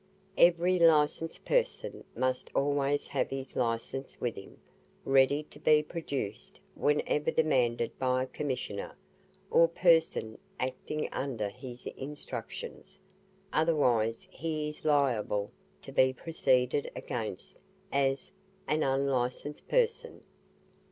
Every Licensed Person must always have his Licence with him, ready to be produced whenever demanded by a Commissioner, or Person acting under his instructions, otherwise he is liable to be proceeded against as an Unlicensed person.